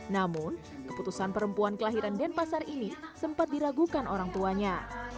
namun keputusan perempuan kelahiran denpasar ini sempat diragukan orang tuanya